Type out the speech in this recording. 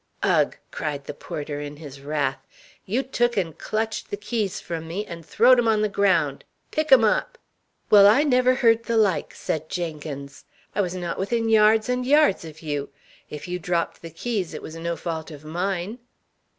"Ugh!" cried the porter in his wrath. "You took and clutched the keys from me, and throwed 'em on the ground! Pick 'em up." "Well, I never heard the like!" said Jenkins. "I was not within yards and yards of you. If you dropped the keys it was no fault of mine."